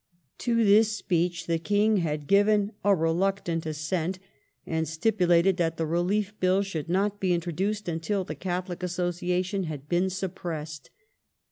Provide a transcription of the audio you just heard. To this speech the King had given "a reluctant assent," ^ and stipulated that the Relief Bill should not be introduced until the Catholic Association had been sup pressed.